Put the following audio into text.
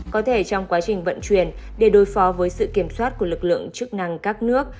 có thể trong quá trình vận chuyển để đối phó với sự kiểm soát của lực lượng chức năng các nước